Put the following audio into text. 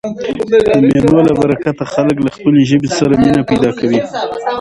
د مېلو له برکته خلک له خپلي ژبي سره مینه پیدا کوي.